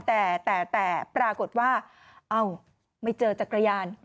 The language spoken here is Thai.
แต่แต่ปรากฏว่าเอ้าไม่เจอจักรยาน